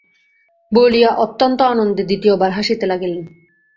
বলিয়া অত্যন্ত আনন্দে দ্বিতীয়বার হাসিতে লাগিলেন।